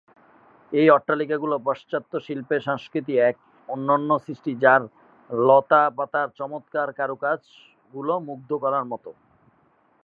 এই অট্টালিকা গুলো পাশ্চাত্য শিল্প সংস্কৃতির এক অনন্য সৃষ্টি, যার লতাপাতার চমৎকার কারুকাজ গুলো মুগ্ধ করার মতো।